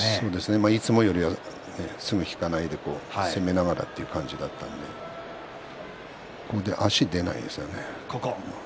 いつもよりもすぐ引かないで攻めながらという感じだったので足が出ないですね。